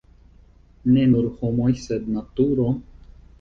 ne nur homoj sed naturo